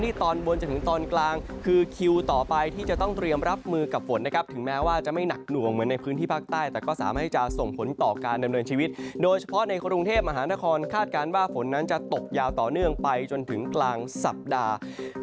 โดยเฉพาะในกลุ่มการเมฆมหารนครคาดการณ์ว่าฝนนั้นจะตกยาวต่อเนื่องไปจนถึงกลางสัปดาตรา